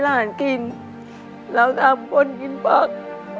ร้านกินแล้วน้ำบ่นกินปัก